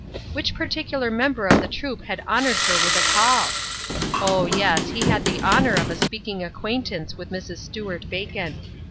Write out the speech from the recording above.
Which particular member of the troop had honored her with a call ? O, yes ! he had the honor of a speaking acquaintance with Mrs. Stuart Bacon.